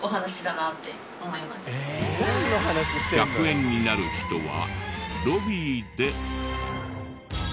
１００円になる人はロビーで。